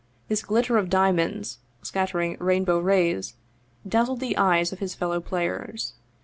This glitter of diamonds, scattering rainbow rays, dazzled the eyes of his fellow players.